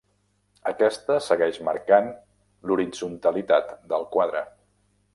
Aquesta segueix marcant l'horitzontalitat del quadre.